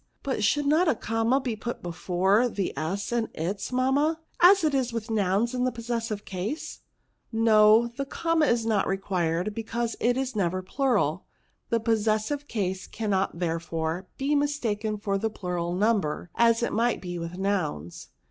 But should not a comma be put before the s in its, mamma, as it is with nouns in the possessive case ?*'^' No ; the comma is not required, because it is never plural ; the possessive case cannot, therefore, be mistaken for the plural number, as it might be with nouns."